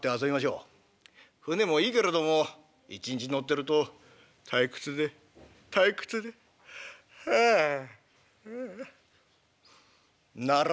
舟もいいけれども一日乗ってると退屈で退屈でふあああならぬわい』。